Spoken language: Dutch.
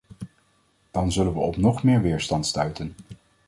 Dan zullen we op nog meer weerstand stuiten.